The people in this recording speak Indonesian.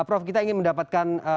prof kita ingin mendapatkan